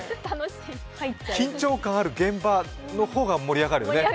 緊張感ある現場の方が盛り上がるね。